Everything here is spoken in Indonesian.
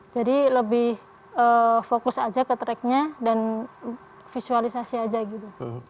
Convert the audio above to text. jadi lebih fokus aja ke tracknya dan visualisasi aja gitu